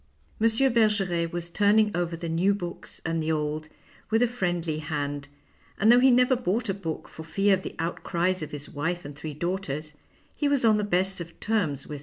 M. Bergerct was turning over the new books and the old with a friendly hand, and though he never bought a book for fear of the outcries of his wife and three daughters he was on the best of terms with M.